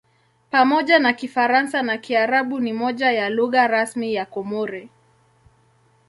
Pamoja na Kifaransa na Kiarabu ni moja ya lugha rasmi ya Komori.